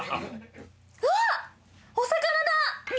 うわっお魚だ。